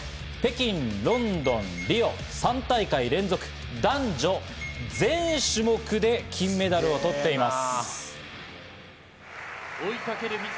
北京、ロンドン、リオ、３大会連続、男女全種目で金メダルを取っています。